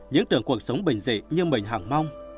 những tưởng cuộc sống bình dị như mình hẳng mong